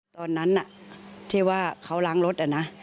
ตอนนั้นที่ว่าเขาล้างรถนะ